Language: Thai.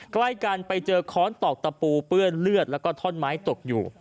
ใกล้กันไปเจอค้อนตอกตะปูเปื้อนเลือดแล้วก็ท่อนไม้ตกอยู่